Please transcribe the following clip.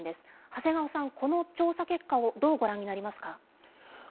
長谷川さん、この調査結果をどうご覧になりますか。